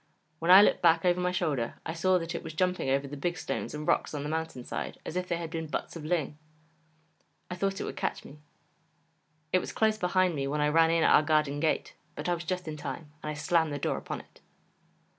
When I looked back over my shoulder, I saw that it was jumping over the big stones and rocks on the mountain side as if they had been butts of ling. I thought it would catch me; it was close behind me when I ran in at our garden gate, but I was just in time, and I slammed the door upon it.